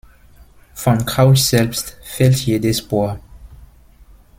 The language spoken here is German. Von Crouch selbst fehlt jede Spur.